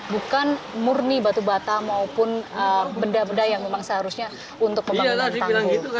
bukan murni batu bata maupun benda benda yang memang seharusnya untuk pembangunan tangguh